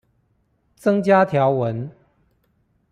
增加條文